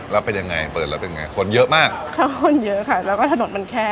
แล้วเป็นยังไงเปิดแล้วเป็นไงคนเยอะมากเข้าคนเยอะค่ะแล้วก็ถนนมันแคบ